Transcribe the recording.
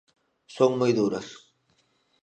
Son moi duras.